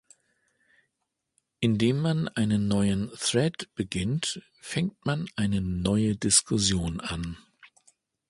Indem man einen neuen Thread beginnt, fängt man eine neue Diskussion an.